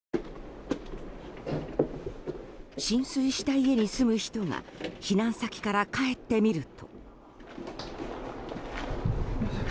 浸水した家に住む人が避難先から帰ってみると。